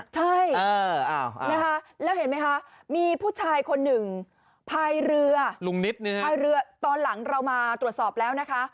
ใช่แล้วเห็นไหมคะมีผู้ชายคนหนึ่งพายเรือลุงนิดภายเรือตอนหลังเรามาตรวจสอบแล้วนะคะ